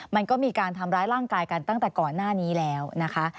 มันก็มีการทำร้ายร่างกายกันตั้งแต่ก่อนหน้านี้แล้วนะคะ